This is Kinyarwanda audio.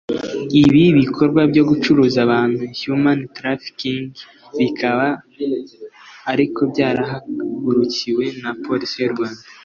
Ibi bikorwa byo gucuruza abantu (human trafficking) bikaba ariko byarahagurukiwe na Police y’u Rwanda